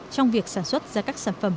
trong việc sản xuất ra các sản phẩm